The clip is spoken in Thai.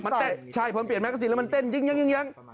ใช่เพราะมันเปลี่ยนแมกเกอร์ซีนแล้วมันเต้นยิง